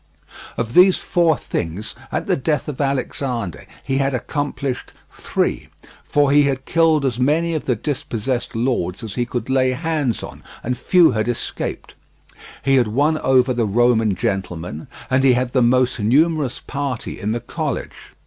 Of these four things, at the death of Alexander, he had accomplished three. For he had killed as many of the dispossessed lords as he could lay hands on, and few had escaped; he had won over the Roman gentlemen, and he had the most numerous party in the college.